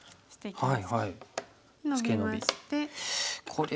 はい。